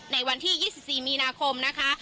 ในวันที่๒๔มีนาคมนะคะ